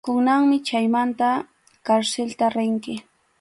Kunanmi chaymanta karsilta rinki.